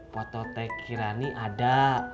foto teee kirani ada